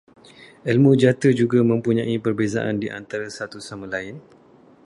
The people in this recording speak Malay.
Ilmu jata juga mempunyai perbezaan di antara satu sama lain